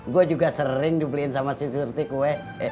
gue juga sering dibeliin sama si surti kue